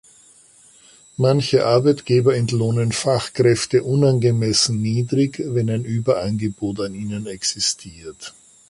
Manche Arbeitgeber entlohnen Fachkräfte unangemessen niedrig, wenn ein Überangebot an ihnen existiert.